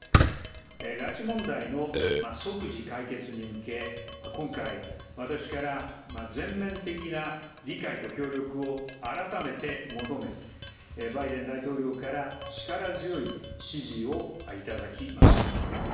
拉致問題の即時解決に向け、今回、私から全面的な理解と協力を改めて求め、バイデン大統領から力強い支持を頂きました。